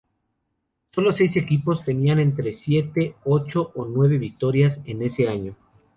Sólo seis equipos tenían entre siete, ocho o nueve victorias en ese año.